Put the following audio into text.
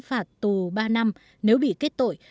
phạt tù ba năm nếu bị kết tội